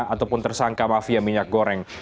ataupun tersangka mafia minyak goreng